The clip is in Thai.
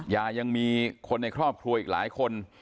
ยังมีคนในครอบครัวอีกหลายคน